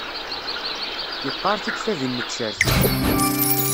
Yeqqaṛ tiktabin n tsertit